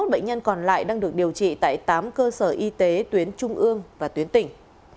hai mươi bệnh nhân còn lại đang được điều trị tại tám cơ sở y tế tuyến trung ương và tuyến tỉnh